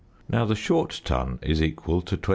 Now the short ton is equal to 29,166.